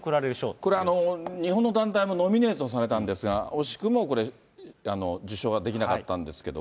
これ、日本の団体もノミネートされたんですが、惜しくもこれ、受賞はできなかったんですけど。